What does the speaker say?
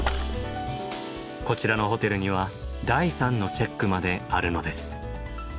こちらのホテルには第３のチェックまであるのです。